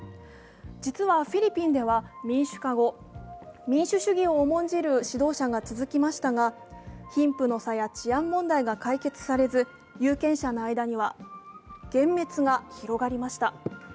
実はフィリピンでは民主化後、民主主義を重んじる指導者が続きましたが、貧富の差や治安問題が解決されず有権者の間には幻滅が広がりました。